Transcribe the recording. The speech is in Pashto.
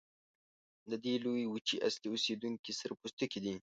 د دې لویې وچې اصلي اوسیدونکي سره پوستکي دي.